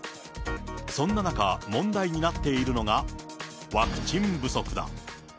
そんな中、問題になっているのが、ワクチン不足だ。